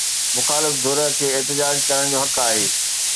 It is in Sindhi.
مخالف ڌر کي احتجاج ڪرڻ جو حق آهي.